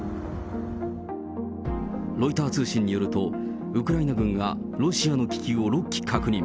ロイター通信によると、ウクライナ軍がロシアの気球を６機確認。